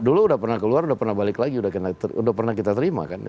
dulu udah pernah keluar udah pernah balik lagi udah pernah kita terima kan